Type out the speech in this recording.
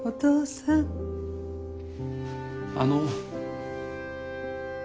あの。